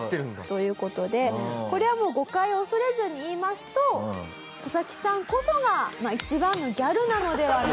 という事でこれはもう誤解を恐れずに言いますとササキさんこそが一番のギャルなのではないかと。